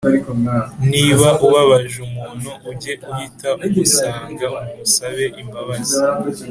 Niba ubabaje umuntu ujye uhita umusanga umusabe imbabazi